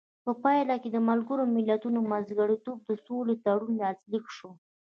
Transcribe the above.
په پایله کې د ملګرو ملتونو په منځګړیتوب د سولې تړون لاسلیک شو.